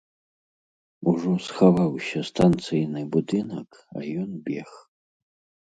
Ужо схаваўся станцыйны будынак, а ён бег.